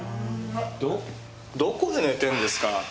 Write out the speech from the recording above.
どどこで寝てるんですか？